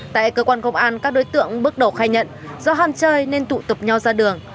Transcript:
tại cơ quan công an các đối tượng bước đầu khai nhận do ham chơi nên tụ tập nhau ra đường